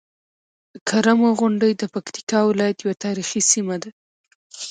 کرمو غونډۍ د پکتيکا ولايت یوه تاريخي سيمه ده.